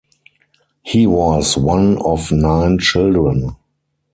He was one of nine children.